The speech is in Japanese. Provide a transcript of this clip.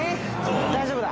大丈夫だ。